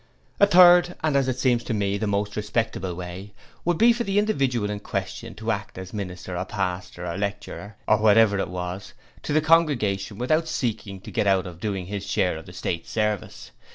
'A third and as it seems to me, the most respectable way would be for the individual in question to act as minister or pastor or lecturer or whatever it was, to the congregation without seeking to get out of doing his share of the State service.